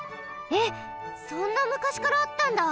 えっそんなむかしからあったんだ！？